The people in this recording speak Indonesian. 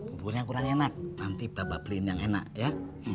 buburnya kurang enak nanti bapak print yang enak ya